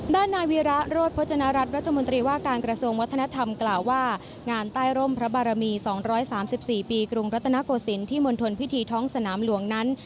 ด้านนายวีระโรธพจนรัฐรัฐรัฐมนตรีว่าการกระทรวงวัฒนธรรมกล่าวว่างานใต้ร่มพระบารมี๒๓๔ปีกรุงรัตนโกศิลปที่มณฑลพิธีท้องสนามหลวงนั้น